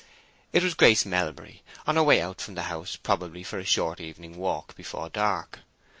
It was Grace Melbury, on her way out from the house, probably for a short evening walk before dark.